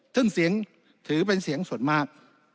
ซึ่งเสียงถือเป็นเสียงส่วนมาก